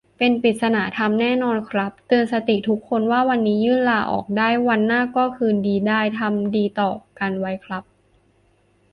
เป็นปริศนาธรรมแน่นอนครับ เตือนสติทุกคนว่าวันนี้ยื่นลาออกได้ วันหน้าก็คืนดีได้ ทำดีต่อกันไว้ครับ